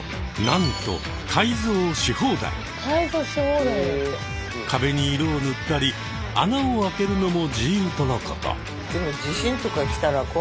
なんと壁に色を塗ったり穴を開けるのも自由とのこと。